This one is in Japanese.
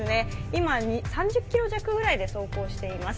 今、３０キロ弱ぐらいで走行しています。